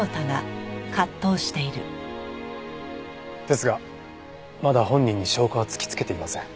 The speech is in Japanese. ですがまだ本人に証拠は突きつけていません。